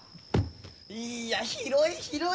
いいや広い広い！